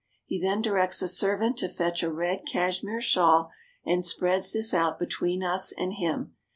He then directs a servant to fetch a red cashmere shawl, and spreads this out between us and him.